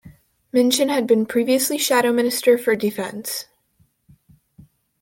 Minchin had been previously Shadow Minister for Defence.